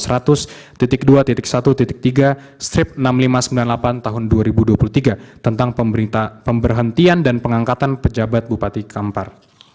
satu ratus dua satu tiga strip enam ribu lima ratus sembilan puluh delapan tahun dua ribu dua puluh tiga tentang pemberhentian dan pengangkatan pejabat bupati kampar